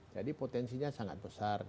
jadi potensinya sangat besar